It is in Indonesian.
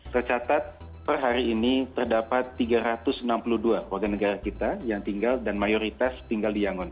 tercatat per hari ini terdapat tiga ratus enam puluh dua warga negara kita yang tinggal dan mayoritas tinggal di yangon